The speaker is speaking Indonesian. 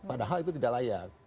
padahal itu tidak layak